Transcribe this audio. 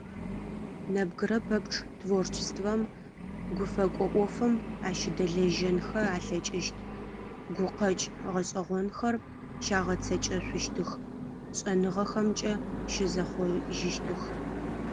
Нэбгырэ пэпчъ творчествэм, гуфэкӏо ӏофым ащыдэлэжьэнхэ алъэкӏыщт, гукъэкӏ гъэшӏэгъонхэр щагъэцэкӏэшъущтых, шӏэныгъэхэмкӏэ щызэхъожьыщтых.